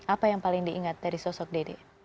apa yang paling diingat dari sosok dede